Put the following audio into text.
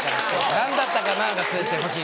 「何だったかな」が先生欲しい。